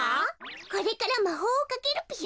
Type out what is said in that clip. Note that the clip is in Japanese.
これからまほうをかけるぴよ。